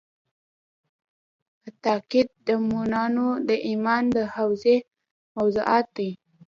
اعتقاد د مومنانو د ایمان د حوزې موضوعات دي.